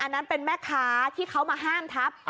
อันนั้นเป็นแม่ค้าที่เขามาห้ามทับ